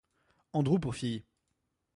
Andrew pour filles.